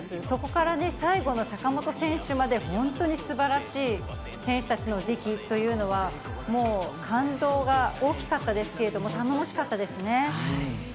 そこから、最後の坂本選手まで、本当にすばらしい選手たちの出来というのは、もう、感動が大きかったですけれども、頼もしかったですね。